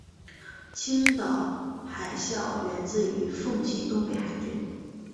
青岛海校源自于奉系东北海军。